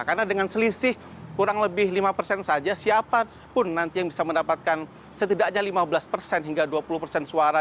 karena dengan selisih kurang lebih lima persen saja siapa pun nanti yang bisa mendapatkan setidaknya lima belas persen hingga dua puluh persen suara